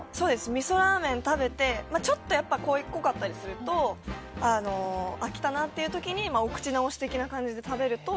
みそラーメン食べてちょっと濃かったりすると飽きたなっていう時にお口直し的な感じで食べると。